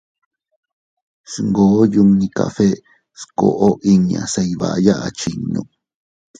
Sngoo yunni café skoʼo inña se iyvaya achinnu.